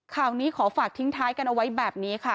ข่าวนี้ขอฝากทิ้งท้ายกันเอาไว้แบบนี้ค่ะ